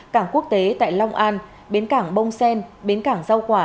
cảng quốc tế tại long an bến cảng bông sen bến cảng rau quả